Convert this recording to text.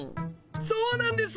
そうなんです。